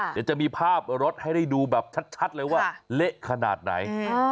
เดี๋ยวจะมีภาพรถให้ได้ดูแบบชัดเลยว่าเละขนาดไหน